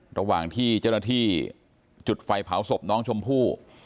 ระหว่างที่เจ้าหน้าที่จุดไฟเผาศพน้องชมพู่